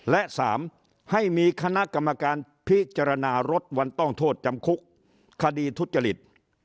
และ๓ให้มีคณะกรรมการพิจารณาลดวันต้องโทษจำคุกคดีทุจริต